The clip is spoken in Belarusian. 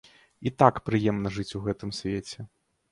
І так прыемна жыць у гэтым свеце.